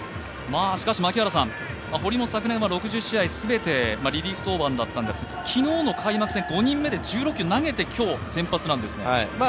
しかし、堀も昨年は６０試合全てリリーフ登板だったんですが、昨日の開幕戦、５人目で１６球投げて、今日先発ですね。